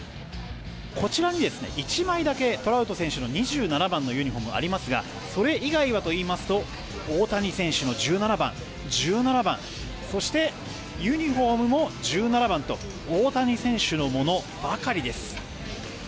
こちらに１枚だけトラウト選手の２７番のユニホームがありますがそれ以外はというと大谷選手の１７番、１７番そしてユニホームも１７番と大谷選手のものばかりです。